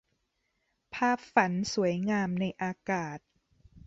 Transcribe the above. ภาพฝันสวยงามในอากาศ